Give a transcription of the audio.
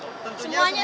tentunya semuanya sih